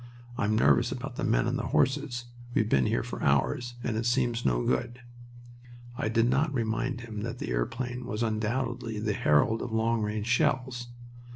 I'm nervous about the men and the horses. We've been here for hours, and it seems no good." I did not remind him that the airplane was undoubtedly the herald of long range shells.